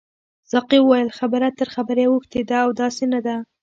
ساقي وویل خبره تر خبرې اوښتې ده او داسې نه ده.